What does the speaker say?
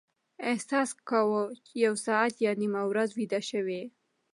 احساس کاوه یو ساعت یا نیمه ورځ ویده شوي.